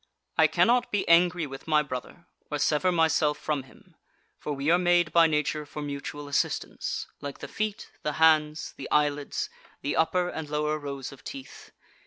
I cannot be angry with my brother, or sever myself from him, for we are made by nature for mutual assistance, like the feet, the hands, the eyelids, the upper and lower rows of teeth.